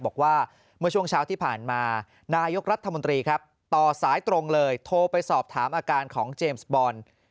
บอกว่าเมื่อช่วงเช้าที่ผ่านมานายกรัฐมนตรีครับต่อสายตรงเลยโทรไปสอบถามอาการของเจมส์บอล